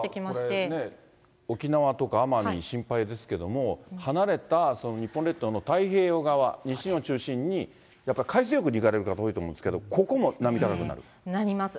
だからこれ、沖縄とか奄美、心配ですけれども、離れた日本列島の太平洋側、西日本を中心に、やっぱり海水浴に行かれる方、多いと思いますけれども、なります。